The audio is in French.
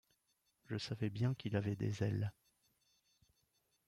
Je savais bien qu’il avait des ailes.